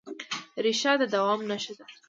ریښه د دوام نښه ده.